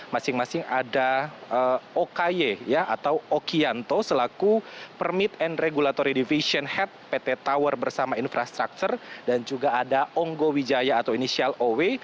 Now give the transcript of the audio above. masing masing ada oky atau okianto selaku permit and regulatory division head pt tower bersama infrastructure dan juga ada onggo wijaya atau inisial ow